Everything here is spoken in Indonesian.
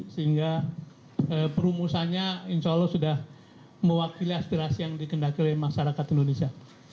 sehingga perumusannya insya allah sudah mewakili aspirasi yang dikendaki oleh masyarakat indonesia